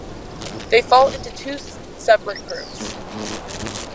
They fall into two separate groups.